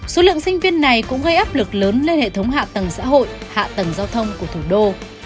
số lượng sinh viên này cũng gây áp lực lớn lên hệ thống hạ tầng xã hội hạ tầng giao thông của thủ đô